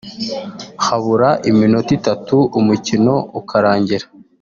Habura iminota itatu umukino ukarangira